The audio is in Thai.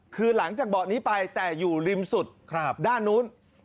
คือหลังจากเบาะนี้ไปแต่อยู่ริมสุดด้านนู้น